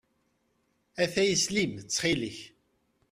Atay s llim, ttxil-k.